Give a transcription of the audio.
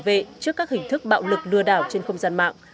về trước các hình thức bạo lực lừa đảo trên không gian mạng